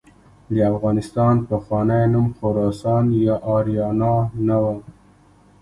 د افغانستان پخوانی نوم خراسان یا آریانا نه و.